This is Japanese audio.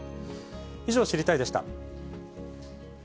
以上、知りたいッ！でした。